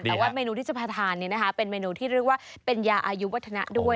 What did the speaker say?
แต่ว่าเมนูที่จะพาทานเป็นเมนูที่เรียกว่าเป็นยาอายุวัฒนะด้วย